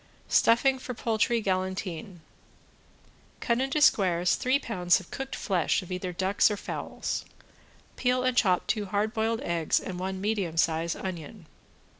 ~STUFFING FOR POULTRY GALANTINE~ Cut into squares three pounds of cooked flesh of either ducks or fowls; peel and chop two hard boiled eggs and one medium size onion.